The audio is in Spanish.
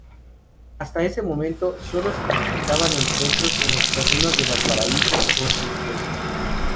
Hasta ese momento, solo se disputaban encuentros en los terrenos del Valparaíso Sporting Club.